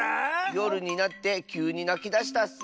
よるになってきゅうになきだしたッス。